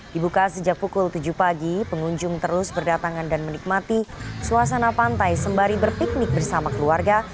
dibuka sejak pukul tujuh pagi pengunjung terus berdatangan dan menikmati suasana pantai sembari berpiknik bersama keluarga